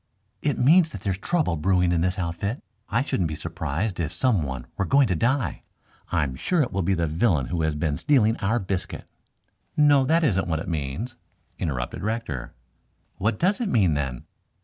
"It means that there's trouble brewing in this outfit. I shouldn't be surprised if some one were going to die. I'm sure it will be the villain who has been stealing our biscuit." "No, that isn't what it means," interrupted Rector. "What does it mean, then?"